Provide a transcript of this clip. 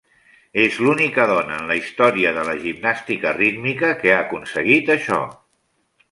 És l'única dona en la història de la gimnàstica rítmica que ha aconseguit això.